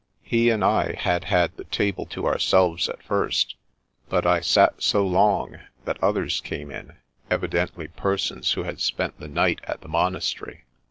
He and I had had the table to ourselves at first, but I sat so long that others came in, evidently per sons who had spent the night at the monastery.